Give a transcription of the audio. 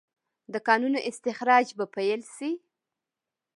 د کانونو استخراج به پیل شي؟